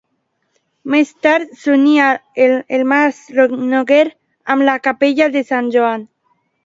Més tard s'uní el mas Noguer amb la capella de Sant Joan.